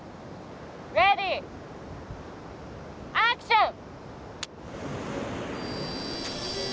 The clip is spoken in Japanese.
レディーアクション！